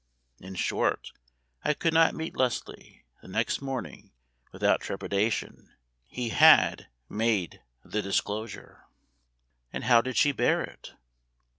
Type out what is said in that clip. In short, I could not meet Leslie, the next morning, without trepidation. He had made the disclosure. "And how did she bear it?"